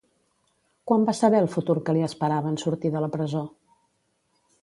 Quan va saber el futur que li esperava en sortir de la presó?